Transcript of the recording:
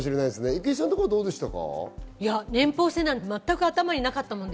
郁恵さんのところはどうでしたか？